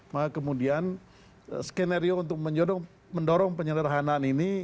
maka kemudian skenario untuk mendorong penyederhanaan ini